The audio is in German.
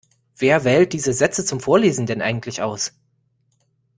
Wer wählt diese Sätze zum Vorlesen denn eigentlich aus?